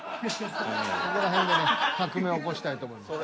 ここら辺でね革命を起こしたいと思います。